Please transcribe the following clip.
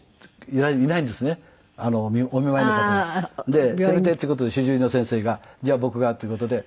でそれでっていう事で主治医の先生がじゃあ僕がという事で。